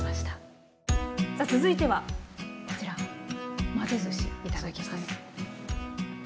さあ続いてはこちら混ぜずしいただきます。